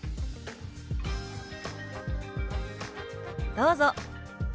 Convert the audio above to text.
どうぞ。